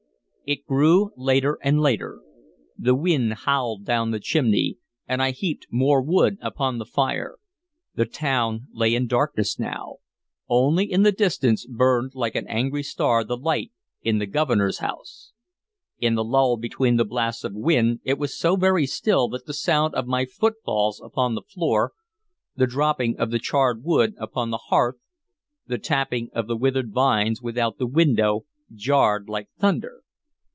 It grew later and later. The wind howled down the chimney, and I heaped more wood upon the fire. The town lay in darkness now; only in the distance burned like an angry star the light in the Governor's house. In the lull between the blasts of wind it was so very still that the sound of my footfalls upon the floor, the dropping of the charred wood upon the hearth, the tapping of the withered vines without the window, jarred like thunder.